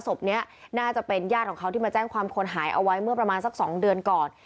ศพนี้น่าจะเป็นญาติของเขาที่มาแจ้งความคนหายเอาไว้เมื่อประมาณสัก๒เดือนก่อน